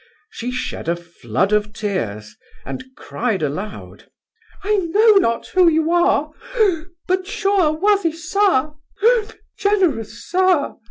She shed a flood of tears, and cried aloud, 'I know not who you are: but, sure worthy sir generous sir!